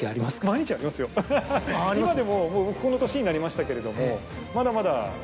今でもこの年になりましたけれども。